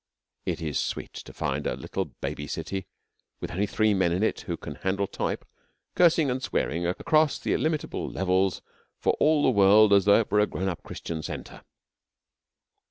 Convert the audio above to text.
It is sweet to find a little baby city, with only three men in it who can handle type, cursing and swearing across the illimitable levels for all the world as though it were a grown up Christian centre.